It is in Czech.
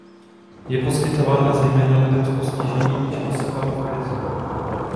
Je poskytována zejména lidem s postižením či osobám v krizi.